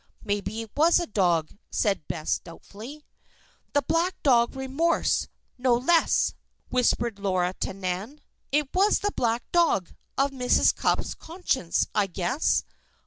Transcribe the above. "Maybe it was a dog," said Bess, doubtfully. "'The black dog Remorse,' no less!" whispered Laura to Nan. "It was the 'black dog' of Mrs. Cupp's conscience, I guess."